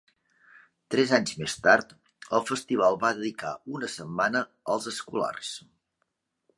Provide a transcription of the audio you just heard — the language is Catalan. Tres anys més tard, el festival va dedicar una setmana als escolars.